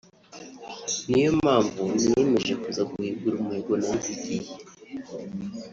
ni yo mpamvu niyemeje kuza guhigura umuhigo nayihigiye